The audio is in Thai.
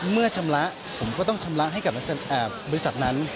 เมื่อชำระผมก็ต้องชำระให้กับบริษัทนั้น